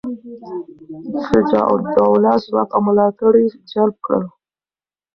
شجاع الدوله ځواک او ملاتړي جلب کړل.